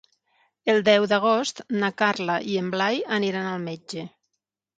El deu d'agost na Carla i en Blai aniran al metge.